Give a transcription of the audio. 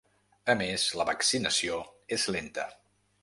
A més, la vaccinació és lenta.